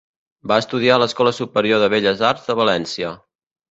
Va estudiar a l'escola superior de Belles Arts de València.